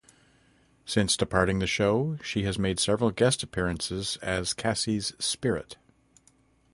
Since departing the show, she has made several guest appearances as Cassie's spirit.